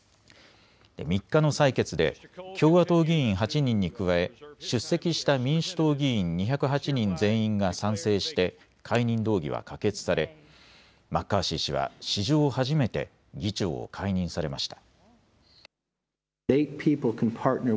３日の採決で共和党議員８人に加え出席した民主党議員２０８人全員が賛成して解任動議は可決されマッカーシー氏は史上初めて議長を解任されました。